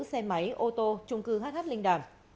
xe máy ô tô trung cư hh linh đàm